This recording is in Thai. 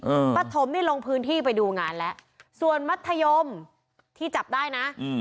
ปฐมนี่ลงพื้นที่ไปดูงานแล้วส่วนมัธยมที่จับได้นะอืม